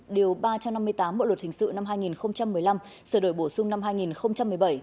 điều ba trăm năm mươi tám bộ luật hình sự năm hai nghìn một mươi năm sửa đổi bổ sung năm hai nghìn một mươi bảy